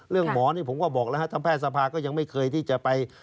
เรื่องหมอนี่ผมก็บอกแล้วทางแพทย์ทรภาคก็ยังไม่เคยที่จะไป